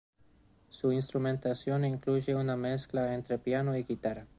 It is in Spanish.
Su instrumentación incluye una mezcla entre piano y guitarra.